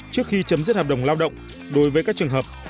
trước khi chấm dứt hợp đồng lao động đối với các trường hợp